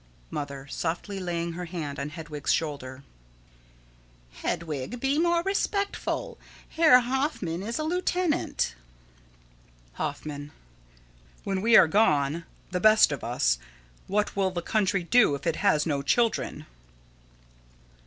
Mother: [Softly, laying her hand on Hedwig's shoulder.] Hedwig, be more respectful. Herr Hoffman is a lieutenant. Hoffman: When we are gone, the best of us, what will the country do if it has no children?